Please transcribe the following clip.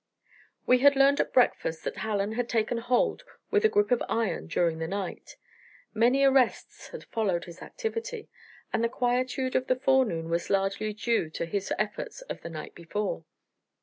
We had learned at breakfast that Hallen had taken hold with a grip of iron during the night. Many arrests had followed his activity, and the quietude of the forenoon was largely due to his efforts of the night before.